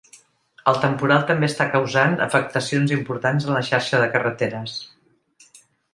El temporal també està causant afectacions importants en la xarxa de carreteres.